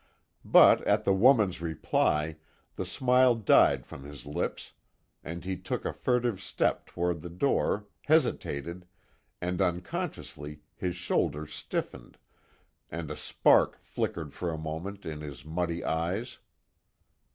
But at the woman's reply, the smile died from his lips, and he took a furtive step toward the door, hesitated, and unconsciously his shoulders stiffened, and a spark flickered for a moment in his muddy eyes.